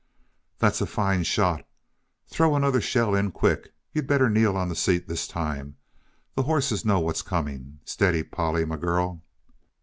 "That's a fine shot. Throw another shell in, quick! You better kneel on the seat, this time the horses know what's coming. Steady, Polly, my girl!"